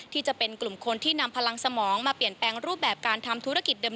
จะเป็นกลุ่มคนที่นำพลังสมองมาเปลี่ยนแปลงรูปแบบการทำธุรกิจเดิม